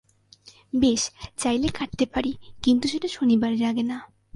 বেশ, চাইলে কাটতে পারি, কিন্তু সেটা শনিবারের আগে না।